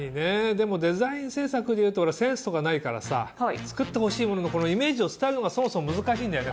でもデザイン制作でいうと俺センスとかないからさ作ってほしいもののイメージを伝えるのがそもそも難しいんだよね。